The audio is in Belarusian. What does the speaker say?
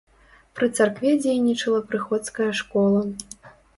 Пры царкве дзейнічала прыходская школа.